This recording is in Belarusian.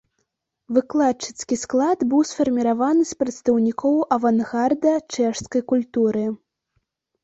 Выкладчыцкі склад быў сфарміраваны з прадстаўнікоў авангарда чэшскай культуры.